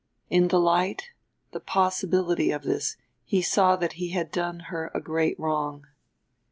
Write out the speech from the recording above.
In the light, the possibility, of this he saw that he had done her a great wrong.